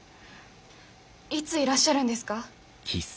いついらっしゃるんですか？